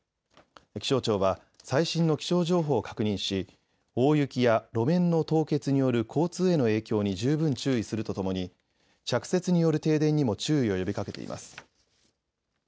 気象庁は最新の気象情報を確認し大雪や路面の凍結による交通への影響に十分注意するとともに着雪による停電にも注意を呼びかけています。